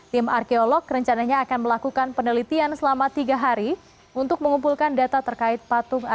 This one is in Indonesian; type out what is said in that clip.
tim arkeolog rencananya akan melakukan penelitian selama tiga hari untuk mengumpulkan data terkait patung